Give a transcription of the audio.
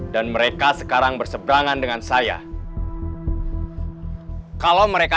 dan mereka sekejap lagi akan berjalan kembali ke rumahnya